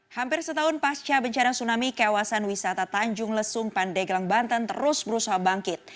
hampir setahun pasca bencana tsunami kawasan wisata tanjung lesung pandeglang banten terus berusaha bangkit